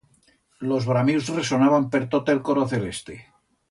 Los bramius resonaban per tot el coro celeste.